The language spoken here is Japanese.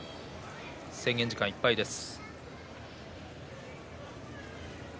制限時間いっぱいです。